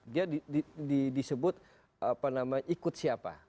dia disebut apa namanya ikut siapa